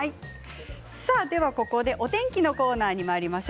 ここでお天気のコーナーにまいります。